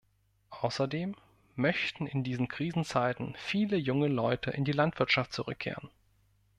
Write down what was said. Außerdem möchten in diesen Krisenzeiten viele junge Leute in die Landwirtschaft zurückkehren.